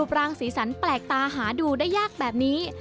ปรางสีสันแปลกตาหาดูได้ยากแบบนี้